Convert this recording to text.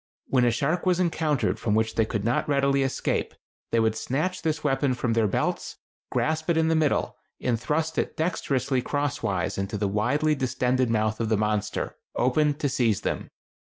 When a shark was encountered from which they could not readily escape, they would snatch this weapon from their belts, grasp it in the middle, and thrust it dexterously crosswise into the widely distended mouth of the monster, opened to seize them.